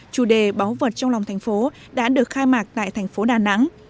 chủ đề báu vật trong lòng thành phố đã được khai mạc tại thành phố đà nẵng